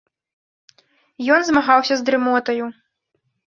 Ён змагаўся з дрымотаю.